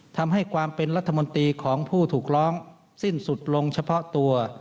ทำให้ความเป็นรัฐมนตรีของผู้ถูกร้องสิ้นสุดลงเฉพาะตัว